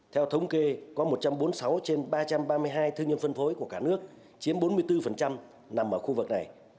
theo thống kê có một trăm bốn mươi sáu trên ba trăm ba mươi hai thương nhân phân phối của cả nước chiếm bốn mươi bốn nằm ở khu vực này